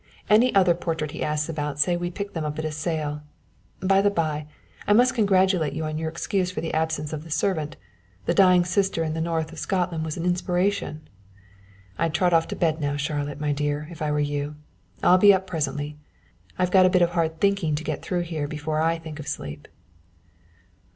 Any other portraits he asks about say we picked them up at a sale. By the bye, I must congratulate you on your excuse for the absence of the servant the dying sister in the North of Scotland was an inspiration. I'd trot off to bed now, Charlotte my dear, if I were you. I'll be up presently. I've got a bit of hard thinking to get through here before I think of sleep."